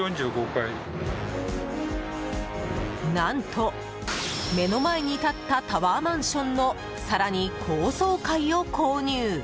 何と目の前に建ったタワーマンションの更に高層階を購入。